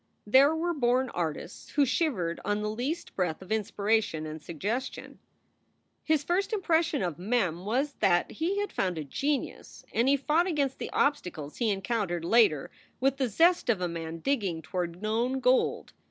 There were born artists who shivered on the least breath of inspiration and suggestion. His first impression of Mem was that he had found a genius, and he fought against the obstacles he encountered later with the zest of a man digging toward known gold.